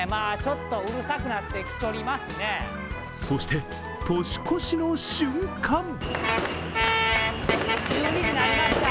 そして、年越しの瞬間